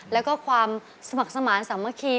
และก็ความสมัครสมารสมครี